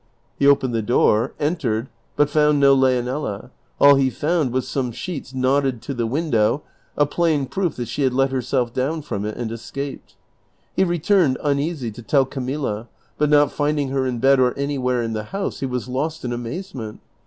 He opened the door, entered, but found no Leonela ; all he found was some sheets knotted to the window, a plain proof that she had let herself down from it and escaped. He returned, uneasy, to tell Camilla, but not finding her in bed or anywhere in the house he was lost in amazement.